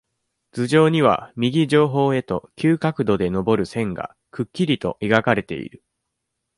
頭上には、右上方へと、急角度でのぼる線が、くっきりと描かれている。